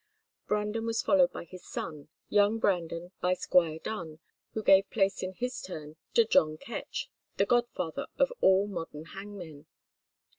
Brandon was followed by his son; young Brandon by Squire Dun, who gave place in his turn to John Ketch, the godfather of all modern hangmen.